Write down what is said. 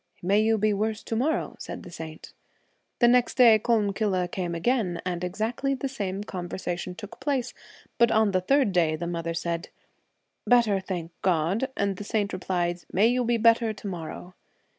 ' May you be worse to morrow,' said the saint. The next day Collumcille came again, and exactly the same conversation took place, but the third day the mother said, ' Better, thank God.' And the saint replied, 'May you be better to morrow.'